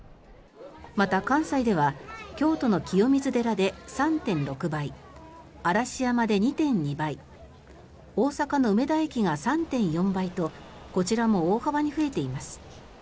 また、関西では京都の清水寺で３．６倍嵐山で２．２倍大阪の梅田駅が３．４倍とこちらも大幅に増えています。